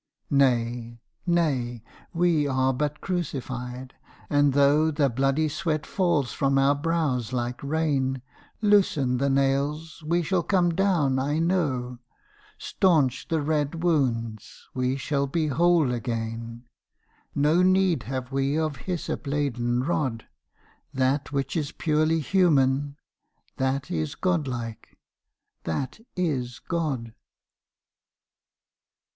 Nay, nay, we are but crucified, and though The bloody sweat falls from our brows like rain Loosen the nails—we shall come down I know, Staunch the red wounds—we shall be whole again, No need have we of hyssop laden rod, That which is purely human, that is godlike, that is God.